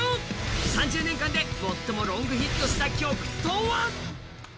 ３０年間で最もロングヒットした曲とは？